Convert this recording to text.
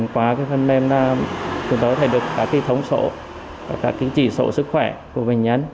chúng tôi có thể được các thống số các chỉ số sức khỏe của bệnh nhân